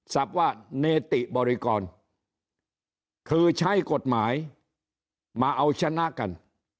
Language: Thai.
ว่าเนติบริกรคือใช้กฎหมายมาเอาชนะกัน